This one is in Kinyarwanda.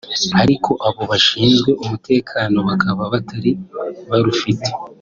ariko abo bashinzwe umutekano bakaba batari barufite